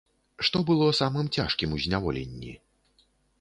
Што было самым цяжкім у зняволенні?